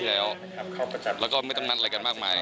แล้วก็ไม่ต้องนัดอะไรกันมากมาย